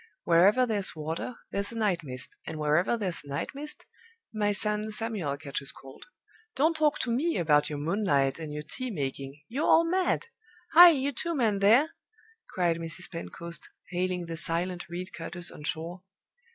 "Wherever there's water, there's a night mist, and wherever there's a night mist, my son Samuel catches cold. Don't talk to me about your moonlight and your tea making you're all mad! Hi! you two men there!" cried Mrs. Pentecost, hailing the silent reed cutters on shore.